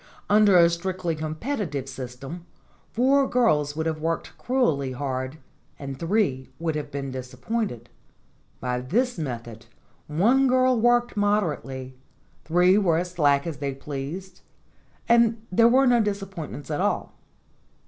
Under a strictly competitive system four girls would have worked cruelly hard, and three would have been disappointed ; by this method one girl worked moderately, three were as slack as they pleased, and there were no disappoint ments at all.